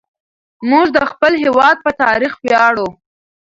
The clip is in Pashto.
موږ د خپل هېواد په تاريخ وياړو.